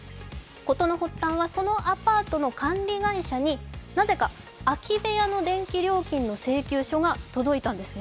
事の発端は、そのアパートの管理会社になぜか空き部屋の電気料金の請求書が届いたんですね。